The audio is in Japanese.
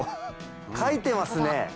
書いてますね。